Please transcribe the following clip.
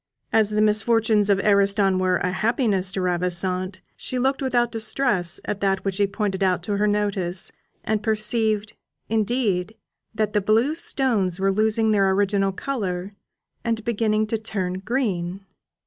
As the misfortunes of Ariston were a happiness to Ravissante, she looked without distress at that which he pointed out to her notice, and perceived, indeed, that the blue stones were losing their original colour, and beginning to turn green.